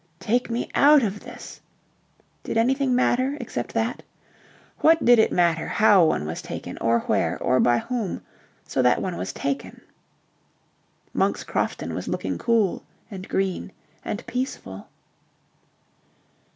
"Take me out of this!" Did anything matter except that? What did it matter how one was taken, or where, or by whom, so that one was taken. Monk's Crofton was looking cool and green and peaceful...